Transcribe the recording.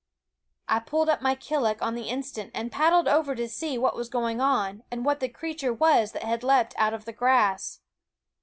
I pulled up my killick on the instant and paddled over to see what was going on, and what the creature was that had leaped out of the grass.